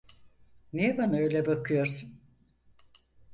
Niye bana öyle bakıyorsun?